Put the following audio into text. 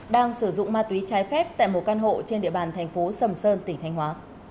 đang sử dụng ma túy trái phép tại một căn hộ trên địa bàn thành phố sầm sơn tỉnh thanh hóa